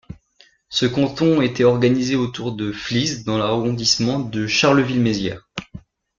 Ce canton était organisé autour de Flize dans l'arrondissement de Charleville-Mézières.